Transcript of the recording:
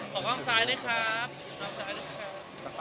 ต้องตามเรา